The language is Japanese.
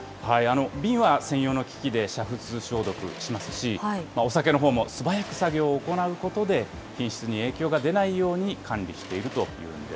瓶は専用の機器で煮沸消毒しますし、お酒のほうも、素早く作業を行うことで、品質に影響が出ないように管理しているというんです。